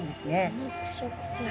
腐肉食性。